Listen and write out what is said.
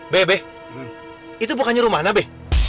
be be itu bukannya rumana be